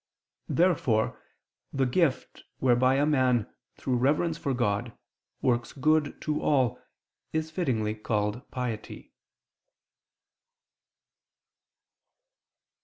Therefore the gift whereby a man, through reverence for God, works good to all, is fittingly called piety.